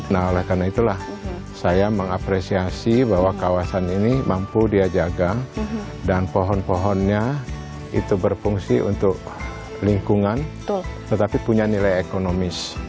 nah oleh karena itulah saya mengapresiasi bahwa kawasan ini mampu dia jaga dan pohon pohonnya itu berfungsi untuk lingkungan tetapi punya nilai ekonomis